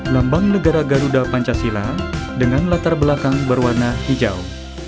lambang negara garuda pancasila dengan latar belakang berwarna hijau